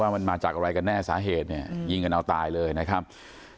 มันมาจากอะไรกันแน่สาเหตุเนี่ยยิงกันเอาตายเลยนะครับ